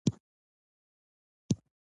د طلايي زلفو خوږ بوي او کرشمې له مستۍ ډکې وې .